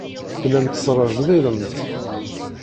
Tellamt tesrejdilemt.